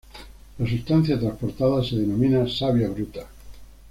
La sustancia transportada se denomina savia bruta.